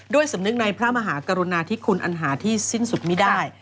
ด้วยสมนึกในพระมหากรณาที่คุณอันหาที่สิ้นสุดมิได้